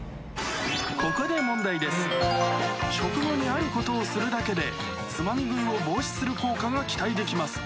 ここで食後にあることをするだけでつまみ食いを防止する効果が期待できます